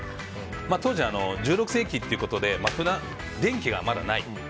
当時、１６世紀ということで電気がまだない。